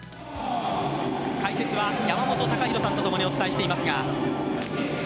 解説は山本隆弘さんとともにお伝えしています。